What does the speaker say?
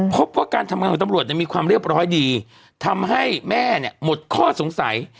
พบว่าการทำงานของตำรวจมีความเรียบร้อยดีทำให้แม่เนี่ยหมดข้อสงสัย